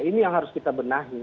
ini yang harus kita benahi